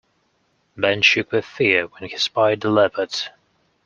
Ben shook with fear when he spied the leopard.